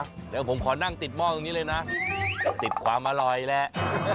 เดี๋ยวผมขอนั่งติดหม้อตรงนี้เลยนะติดความอร่อยแหละ